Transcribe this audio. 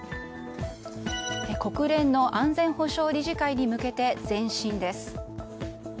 国連の安全保障理事会に向けて前進です。